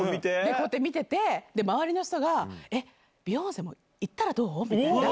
こうやって見てて、周りの人が、えっ、ビヨンセも行ったらどう？みたいな。